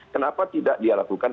kenapa tidak dia lakukan